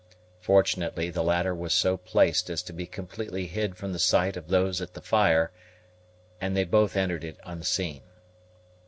Fortunately the latter was so placed as to be completely hid from the sight of those at the fire, and they both entered it unseen.